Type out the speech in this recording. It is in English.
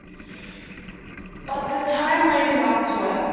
But the time leading up to it.